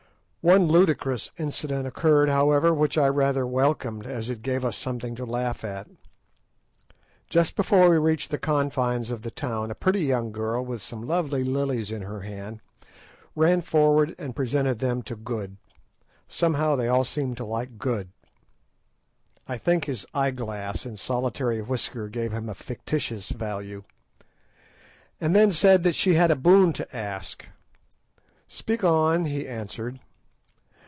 One ludicrous incident occurred, however, which I rather welcomed, as it gave us something to laugh at. Just before we reached the confines of the town, a pretty young girl, with some lovely lilies in her hand, ran forward and presented them to Good—somehow they all seemed to like Good; I think his eye glass and solitary whisker gave him a fictitious value—and then said that she had a boon to ask. "Speak on," he answered.